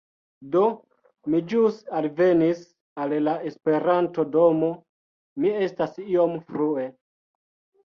Do, mi ĵus alvenis al la Esperanto-domo mi estas iom frue